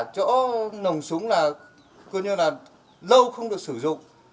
cũng là gần như là lâu không được sử dụng